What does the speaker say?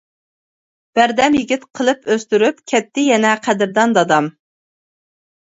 بەردەم يىگىت قىلىپ ئۆستۈرۈپ، كەتتى يەنە قەدىردان دادام.